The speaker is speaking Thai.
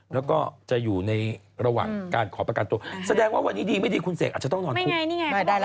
แล้วก็จะอยู่ในระหว่างการขอประกันตัวแสดงว่าวันนี้ดีไม่ดีคุณเศกอาจจะต้องนอนคุกไม่ไงนี่ไงได้ได้ล่ะ